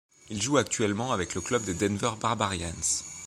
Il joue actuellement avec le club des Denver Barbarians.